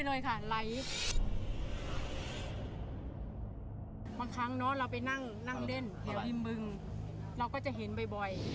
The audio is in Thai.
บางครั้งเนอะเราไปนั่งเล่นแถวที่บึงเราก็จะเห็นบ่อย